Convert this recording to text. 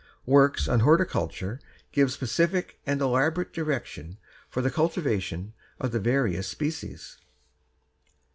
Works on horticulture give specific and elaborate direction for the cultivation of the various species.